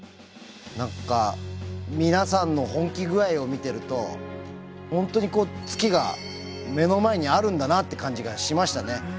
何か皆さんの本気具合を見てると本当にこう月が目の前にあるんだなって感じがしましたね。